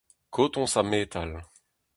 Kotoñs ha metal.